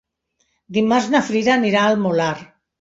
Dimarts na Frida anirà al Molar.